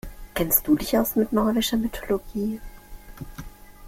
Kennst du dich aus mit nordischer Mythologie?